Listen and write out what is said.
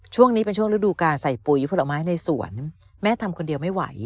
ช่วงนี้เป็นช่วงฤดูการใส่ปุ๋ยผลไม้ในสวนแม่ทำคนเดียวไม่ไหว